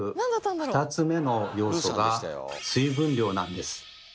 ２つ目の要素が水分量なんです。